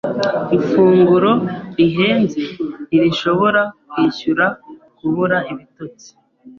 Ifunguro rihenze ntirishobora kwishyura kubura ibitotsi.